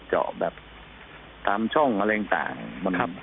จำช่องอะไรง่าย